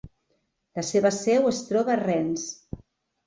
La seva seu es troba a Rennes.